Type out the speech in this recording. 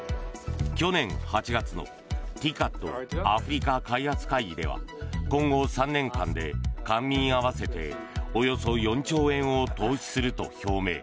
去年８月のＴＩＣＡＤ・アフリカ開発会議では今後３年間で、官民合わせておよそ４兆円を投資すると表明。